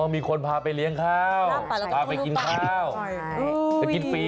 อ๋อมีคนพาไปเรียงข้าวพาไปกินข้าว